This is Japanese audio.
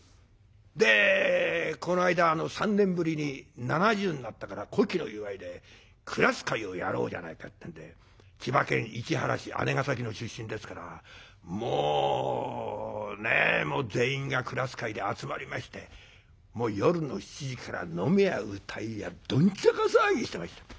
でこの間３年ぶりに７０になったから古希の祝いでクラス会をやろうじゃないかってんで千葉県市原市姉ヶ崎の出身ですからもうね全員がクラス会で集まりまして夜の７時から飲めや歌えやどんちゃか騒ぎしてました。